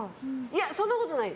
そんなことない。